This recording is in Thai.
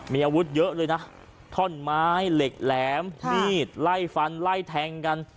มีอาวุธเยอะเลยนะท่อนไม้เหล็กแหลมมีดไล่ฟันไล่แทงกัน